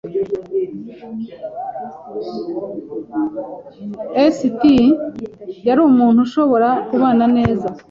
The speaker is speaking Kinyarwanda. S] [T] Yari umuntu ushobora kubana neza.